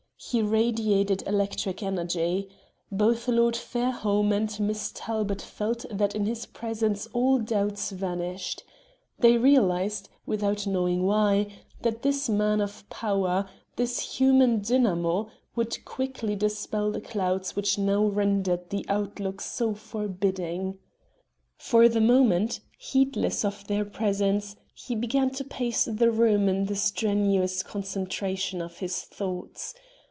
He radiated electric energy. Both Lord Fairholme and Miss Talbot felt that in his presence all doubts vanished. They realized, without knowing why, that this man of power, this human dynamo, would quickly dispel the clouds which now rendered the outlook so forbidding. For the moment, heedless of their presence, he began to pace the room in the strenuous concentration of his thoughts.